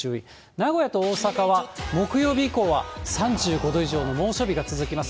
名古屋と大阪は木曜日以降は３５度以上の猛暑日が続きます。